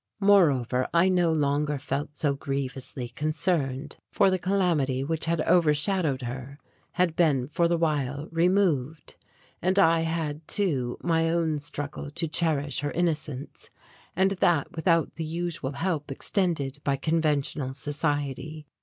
Moreover, I no longer felt so grievously concerned, for the calamity which had overshadowed her had been for the while removed. And I had, too, my own struggle to cherish her innocence, and that without the usual help extended by conventional society.